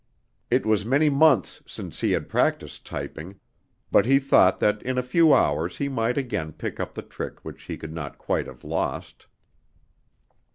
It was many months since he had practiced typing, but he thought that in a few hours he might again pick up the trick which he could not quite have lost.